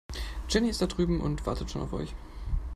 Jenny ist da drüben und wartet schon auf euch.